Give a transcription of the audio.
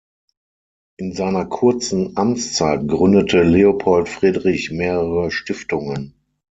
In seiner kurzen Amtszeit gründete Leopold Friedrich mehrere Stiftungen.